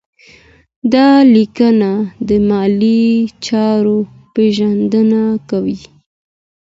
دا لیکنه د مالي چارو پیژندنه کوي.